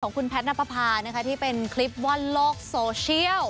คุณแพทย์นับประพานะคะที่เป็นคลิปว่อนโลกโซเชียล